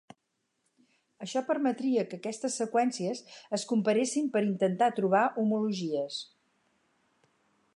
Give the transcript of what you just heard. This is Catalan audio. Això permetria que aquestes seqüències es comparessin per intentar trobar homologies.